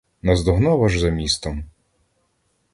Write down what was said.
Наздогнав аж за містом.